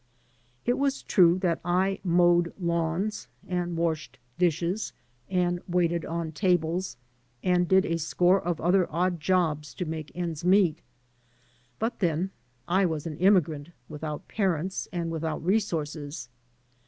It was true that / mowed 240 AN AMERICAN IN THE MAKING lawns, and washed dishes, and waited on tables, and did a score of other odd jobs to make ends meet; but, then, I was an immigrant without parents and without resources.